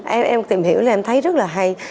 em tìm hiểu em thấy rất là hay